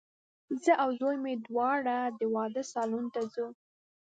زه او زوی مي دواړه د واده سالون ته ځو